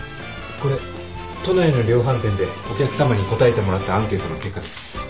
これ都内の量販店でお客さまに答えてもらったアンケートの結果です。